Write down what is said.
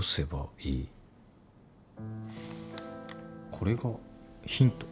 これがヒント。